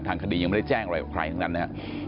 คดียังไม่ได้แจ้งอะไรกับใครทั้งนั้นนะครับ